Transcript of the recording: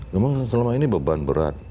memang selama ini beban berat